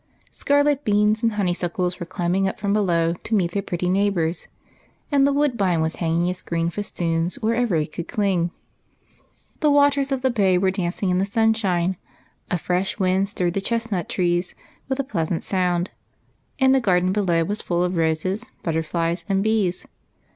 Scarlet beans and honey suckles were climbing up from below to meet their pretty neighbors, and the woodbine was hanging its green festoons wherever it could cling. The waters of the bay were dancing in the sunshine, a fresh wind stirred the chestnut trees with a pleasant sound, and the garden below was full of roses, butter flies, and bees.